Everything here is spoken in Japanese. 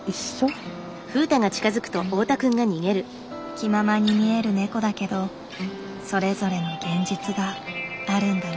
気ままに見えるネコだけどそれぞれの現実があるんだな。